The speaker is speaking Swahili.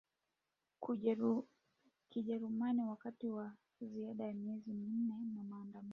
kujeruhiwa wakati wa zaidi ya miezi minne ya maandamano